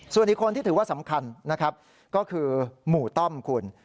ส่วนอีกคนที่ถือว่าสำคัญนะครับก็คือหมู่ต้อมคุณ